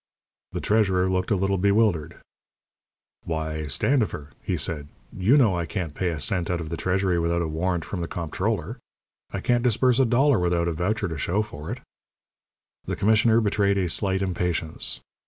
The treasurer looked a little bewildered. "Why, Standifer," he said, "you know I can't pay a cent out of the treasury without a warrant from the comptroller. I can't disburse a dollar without a voucher to show for it." The commissioner betrayed a slight impatience.